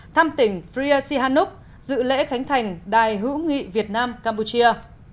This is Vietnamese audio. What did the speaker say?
thăm tỉnh fria sihamoni dự lễ khánh thành đài hữu nghị việt nam campuchia